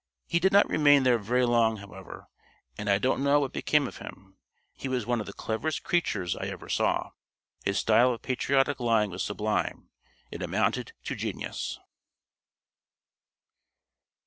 He did not remain there very long, however, and I don't know what became of him. He was one of the cleverest creatures I ever saw. His style of patriotic lying was sublime; it amounted to genius.